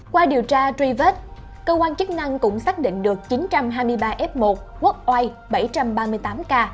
qua điều tra truy vết cơ quan chức năng cũng xác định được chín trăm hai mươi ba f một quốc oai bảy trăm ba mươi tám k